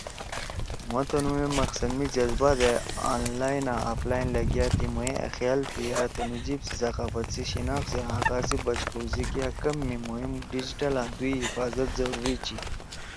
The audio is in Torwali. مھو تُنُو مے مقصد می جذبہ دے آن لائن آں آف لائن لیگیا تھی، مھوئے أ خیال تُھو یرآ تُنُو جیِب سی، ثقافت سی، شناخت سی آں حقا سی بچ کؤ سی کیا کم می مھوئے ڈیجیٹل آں دُوئی حفاظت ضروری چھی۔